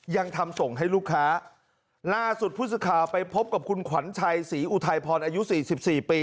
ยังทำส่งให้ลูกค้าล่าสุดผู้สื่อข่าวไปพบกับคุณขวัญชัยศรีอุทัยพรอายุสี่สิบสี่ปี